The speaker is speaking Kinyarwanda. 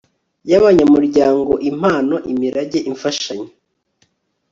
y abanyamuryango impano imirage imfashanyo